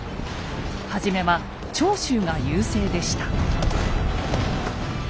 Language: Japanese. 初めは長州が優勢でした。